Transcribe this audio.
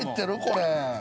これ。